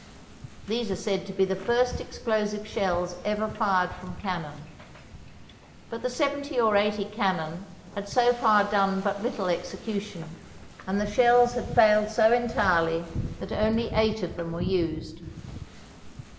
These are said to be the first explosive shells ever fired from cannon. But the seventy or eighty cannon had so far done but little execution, and the shells had failed so entirely that only eight of them were used.